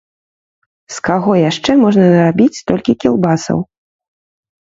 З каго яшчэ можна нарабіць столькі кілбасаў?